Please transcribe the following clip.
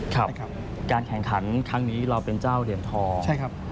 การแข่งขันครั้งนี้เราเป็นเจ้าเหรียญทอง